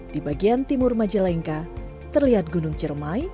di bagian timur majalengka terlihat gunung cermai